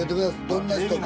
どんな人か。